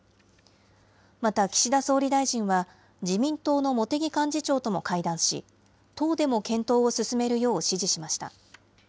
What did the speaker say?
また、岸田総理大臣は、自民党の茂木幹事長とも会談し、党でも検討を進めるよう指示しました。